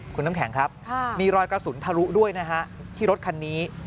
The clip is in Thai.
คุณน้ำแข็งครับมีรอยกระสุนทะลุด้วยนะฮะที่รถคันนี้